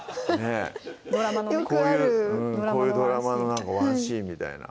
ドラマのこういうドラマのワンシーンみたいな